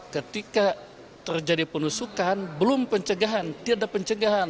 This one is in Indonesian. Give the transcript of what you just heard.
ketika terjadi penusukan belum pencegahan tidak ada pencegahan